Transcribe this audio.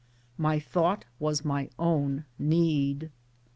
:My thought was my own need.